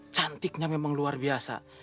cantiknya memang luar biasa